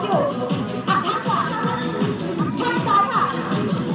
ล๊อคพ้าฮาร์ชิโลมีด้านนี้เลย